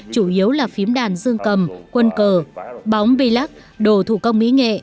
chủ yếu là phím đàn dương cầm quân cờ bóng bê lắc đồ thủ công mỹ nghệ